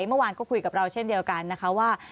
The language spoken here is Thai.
เมื่อวานก็คุยกับเราเช่นเดียวกันนะคะว่า